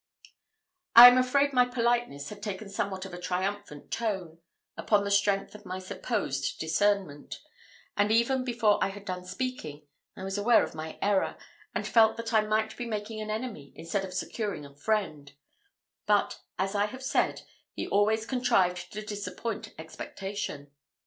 I am afraid my politeness had taken somewhat of a triumphant tone, upon the strength of my supposed discernment; and, even before I had done speaking, I was aware of my error, and felt that I might be making an enemy instead of securing a friend; but, as I have said, he always contrived to disappoint expectation.